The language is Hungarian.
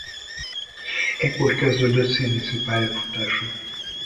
Ekkor kezdődött színészi pályafutása.